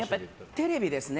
テレビですね。